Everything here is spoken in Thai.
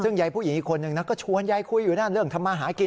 ซึ่งยายผู้หญิงอีกคนนึงนะก็ชวนยายคุยอยู่นะเรื่องทำมาหากิน